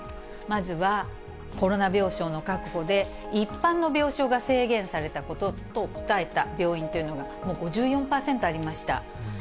まずは、コロナ病床の確保で一般の病床が制限されたことと答えた病院というのが、もう５４％ありました。